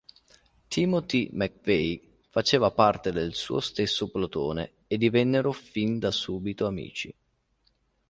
Timothy McVeigh faceva parte del suo stesso plotone e divennero fin da subito amici.